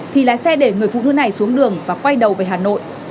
thì lái xe để người phụ nữ này xuống đường và quay đầu về hà nội